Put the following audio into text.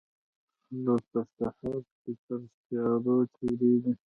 لکه سحر چې تر تیارو تیریږې